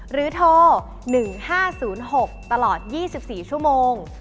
โทร๑๕๐๖ตลอด๒๔ชั่วโมง